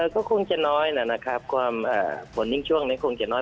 ก็คงจะน้อยนะครับความผลยิ่งช่วงนี้คงจะน้อย